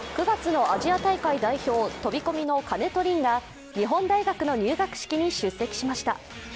９月のアジア大会代表飛込の金戸凜が日本大学の入学式に出席しました。